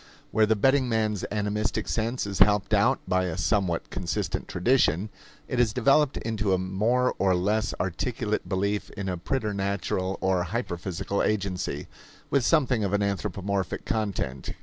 Where the betting man's animistic sense is helped out by a somewhat consistent tradition, it has developed into a more or less articulate belief in a preternatural or hyperphysical agency, with something of an anthropomorphic content.